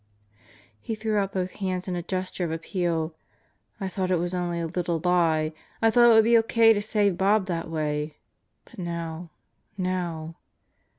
He threw out both hands in a gesture of appeal. "I thought it was only a little lie. I thought it would be O.K. to save Bob that way. But now ... now